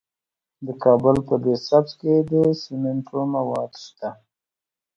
د کابل په ده سبز کې د سمنټو مواد شته.